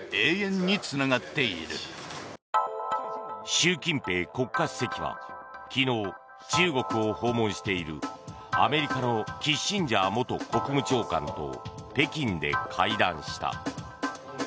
習近平国家主席は昨日中国を訪問しているアメリカのキッシンジャー元国務長官と北京で会談した。